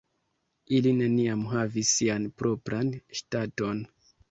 Ili neniam havis sian propran ŝtaton.